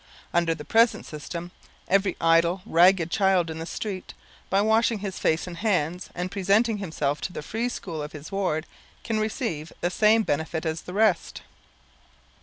Under the present system, every idle ragged child in the streets, by washing his face and hands, and presenting himself to the free school of his ward, can receive the same benefit as the rest.